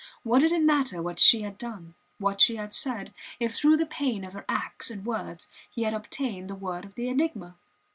What did it matter what she had done, what she had said, if through the pain of her acts and words he had obtained the word of the enigma!